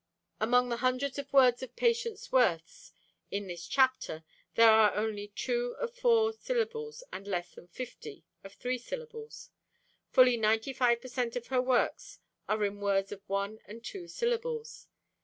Among the hundreds of words of Patience Worth's in this chapter there are only two of four syllables and less than fifty of three syllables. Fully 95 per cent of her works are in words of one and two syllables.